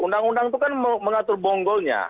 undang undang itu kan mengatur bonggolnya